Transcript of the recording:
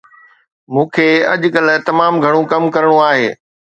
مون کي اڄڪلهه تمام گهڻو ڪم ڪرڻو آهي